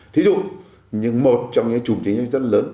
thí dụ một trong những chủng chính rất lớn